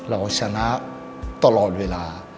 เราชนะตลอดเวลา